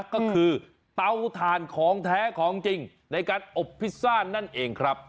ก็คือเตาถ่านของแท้ของจริงในการอบพิซซ่านั่นเองครับ